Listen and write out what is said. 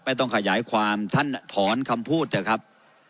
ต้องขยายความท่านถอนคำพูดเถอะครับ